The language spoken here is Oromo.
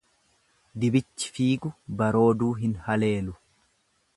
Dibichi fiigu barooduu hin haleelu.